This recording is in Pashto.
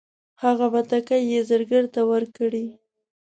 هغه بتکۍ یې زرګر ته ورکړې.